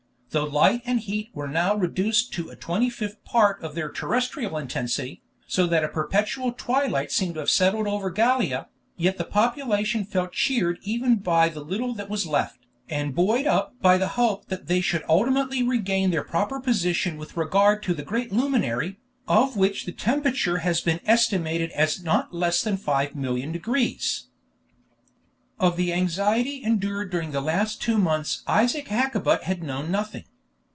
Though light and heat were now reduced to a twenty fifth part of their terrestrial intensity, so that a perpetual twilight seemed to have settled over Gallia, yet the population felt cheered even by the little that was left, and buoyed up by the hope that they should ultimately regain their proper position with regard to the great luminary, of which the temperature has been estimated as not less than 5,000,000 degrees. Of the anxiety endured during the last two months Isaac Hakkabut had known nothing.